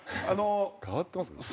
変わってます？